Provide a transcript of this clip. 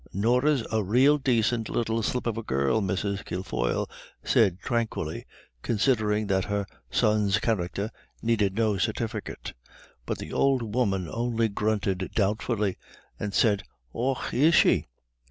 "Norah's a rael dacint little slip of a girl," Mrs. Kilfoyle said tranquilly, considering that her son's character needed no certificate. But the old woman only grunted doubtfully, and said: "Och, is she?"